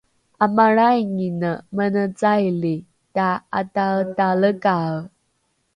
’amalraingine mene caili ta’ataetalekae